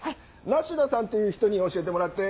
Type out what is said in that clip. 梨田さんっていう人に教えてもらって。